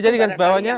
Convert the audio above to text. jadi kan sebabnya